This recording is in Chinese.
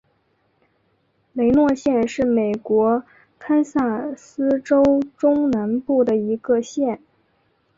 雷诺县是美国堪萨斯州中南部的一个县。